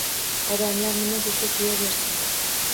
Odamlar nima desa deyaversin